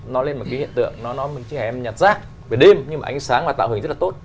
nó lên một cái hiện tượng nó không chỉ là em nhặt rác về đêm nhưng mà ánh sáng và tạo hình rất là tốt